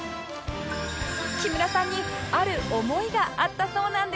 木村さんにある思いがあったそうなんです